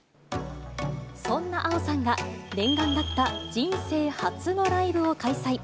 そんなａｏさんが、念願だった人生初のライブを開催。